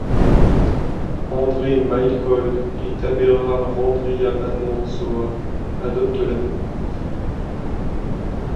André Mailhol et Tabera Randriamanantsoa adoptent la même position.